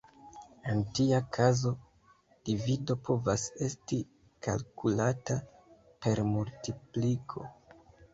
En tia kazo, divido povas esti kalkulata per multipliko.